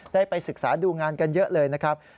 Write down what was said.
ได้ไปศึกษาดูงานกันเยอะเลยนะครับ